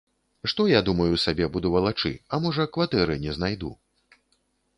Што я, думаю сабе, буду валачы, а можа, кватэры не знайду.